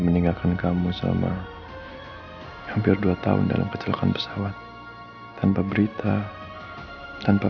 sengaja aku bawa aku ke laut ya